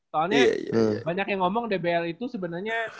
soalnya banyak yang ngomong dbl itu sebenarnya